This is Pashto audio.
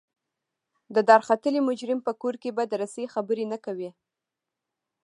د دارختلي مجرم په کور کې به د رسۍ خبرې نه کوئ.